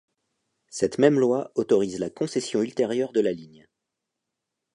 Cette même loi autorise la concession ultérieure de la ligne.